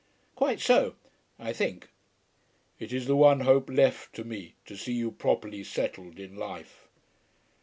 "Quite so; I think." "It is the one hope left to me to see you properly settled in life."